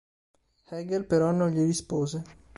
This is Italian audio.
Hegel però non gli rispose.